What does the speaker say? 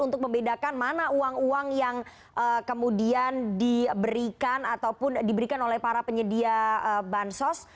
untuk membedakan mana uang uang yang kemudian diberikan ataupun diberikan oleh para penyedia bansos